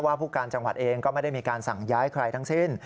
ผู้การจังหวัดเองก็ไม่ได้มีการสั่งย้ายใครทั้งสิ้น